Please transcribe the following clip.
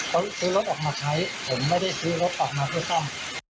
เขาซื้อรถออกมาใช้ผมไม่ได้ซื้อรถออกมาเพื่อซ่อม